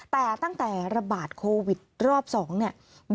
แต่ตั้งแต่ระบาดโควิดรอบ๒เนี่ย